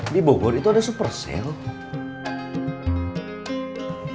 di bogor itu ada super sale